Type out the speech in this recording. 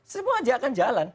semua saja akan jalan